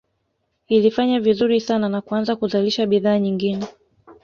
Ilifanya vizuri sana na kuanza kuzalisha bidhaa nyingine